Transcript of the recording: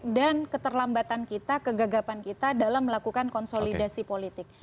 itu adalah kelembatan kita kegagapan kita dalam melakukan konsolidasi politik